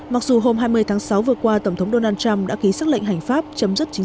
mặc dù hôm hai mươi tháng sáu vừa qua tổng thống donald trump đã ký xác lệnh hành pháp chấm dứt chính